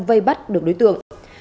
vây bắt được đối tượng